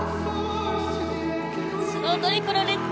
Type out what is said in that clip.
スロートリプルルッツ。